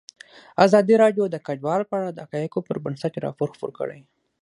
ازادي راډیو د کډوال په اړه د حقایقو پر بنسټ راپور خپور کړی.